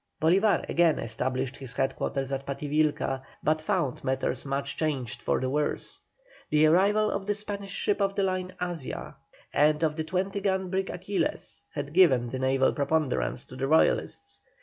Bolívar again established his head quarters at Pativilca, but found matters much changed for the worse. The arrival of the Spanish ship of the line Asia and of the 20 gun brig Aquiles had given the naval preponderance to the Royalists.